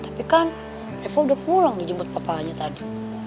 tapi kan reva udah pulang dijemput papa aja tadi